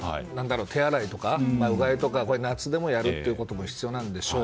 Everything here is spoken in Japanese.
手洗いとかうがいとか夏でもやるということが必要なんでしょう。